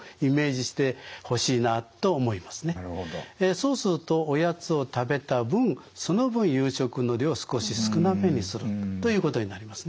そうするとおやつを食べた分その分夕食の量を少し少なめにするということになりますね。